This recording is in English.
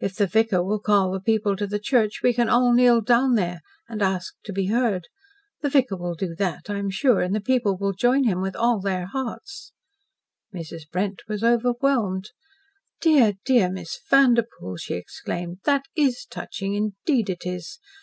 If the vicar will call the people to the church, we can all kneel down there and ask to be heard. The vicar will do that I am sure and the people will join him with all their hearts." Mrs. Brent was overwhelmed. "Dear, dear, Miss Vanderpoel!" she exclaimed. "THAT is touching, indeed it is!